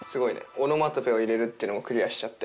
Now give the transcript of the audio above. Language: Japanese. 「オノマトペを入れる」っていうのもクリアしちゃって。